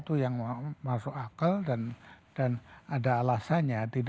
itu yang masuk akal dan ada alasannya